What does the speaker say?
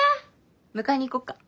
迎えに行こうか？